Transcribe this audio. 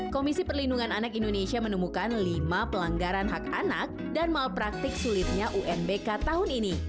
komisi perlindungan anak indonesia menemukan lima pelanggaran hak anak dan malpraktik sulitnya unbk tahun ini